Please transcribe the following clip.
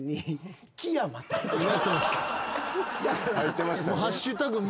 入ってましたね。